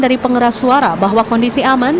dari pengeras suara bahwa kondisi aman